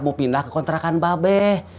mau pindah ke kontrakan mba be